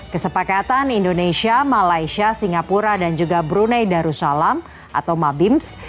kesepakatan indonesia malaysia singapura dan juga brunei darussalam atau mabims